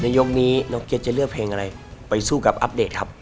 ยกนี้น้องเก็ตจะเลือกเพลงอะไรไปสู้กับอัปเดตครับ